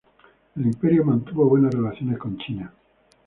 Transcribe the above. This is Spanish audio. El Imperio mantuvo buenas relaciones con China.